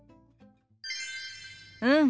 うん。